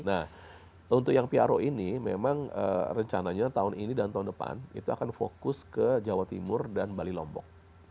nah untuk yang piaro ini memang rencananya tahun ini dan tahun depan itu akan fokus ke jawa timur dan bali lombok